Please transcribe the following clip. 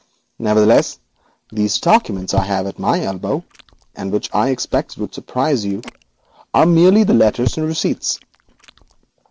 Nevertheless, these documents at my elbow, which I expected would surprise you, are merely the letters and receipts.